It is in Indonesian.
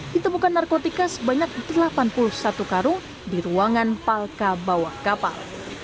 ditemukan narkotika sebanyak delapan puluh satu karung di ruangan palka bawah kapal